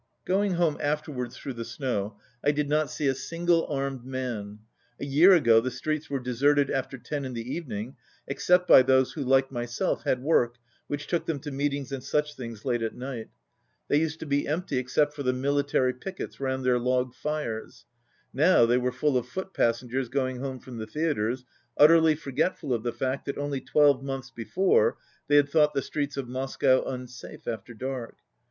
93 Going home afterwards through the snow, I did not see a single armed man. A year ago the streets were deserted after ten in the evening except by those who, like myself, (had work which took them to meetings and such things late at night. They used to be empty except for the military pickets round their log fires. Now they were full of foot passengers going home from the theatres, utterly forgetful of the fact that only twelve months be fore they had thought the streets of Moscow un safe after dark.